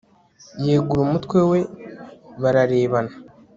yegura umutwe we bararebana